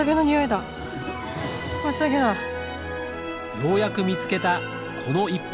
ようやく見つけたこの一本。